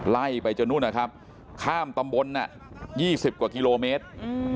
ไล่ไปจนนู้นนะครับข้ามตำบลน่ะยี่สิบกว่ากิโลเมตร